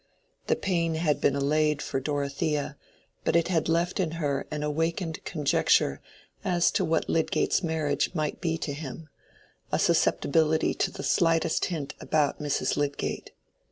The pain had been allayed for Dorothea, but it had left in her an awakened conjecture as to what Lydgate's marriage might be to him, a susceptibility to the slightest hint about Mrs. Lydgate.